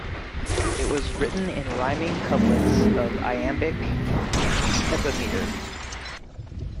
It was written in rhyming couplets of iambic heptameter.